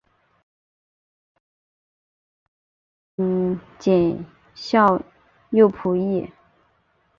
僖宗起崔安潜为检校右仆射。